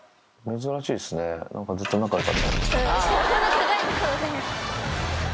珍しいですね、なんかずっと仲よかったのに。